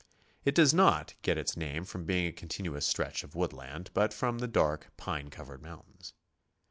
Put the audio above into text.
It does not get its name from being a continuous stretch of woodland, but from the dark, pine covered mountains.